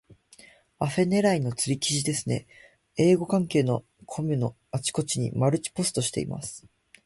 アフィ狙いの釣り記事ですね。英語関係のコミュのあちこちにマルチポストしています。